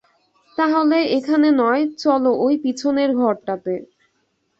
তাহলে এখানে নয়, চলো ওই পিছনের ঘরটাতে।